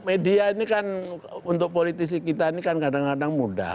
media ini kan untuk politisi kita ini kan kadang kadang muda